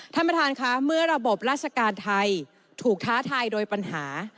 ท่านประธานค่ะเมื่อระบบราชการไทยถูกท้าทายโดยปัญหา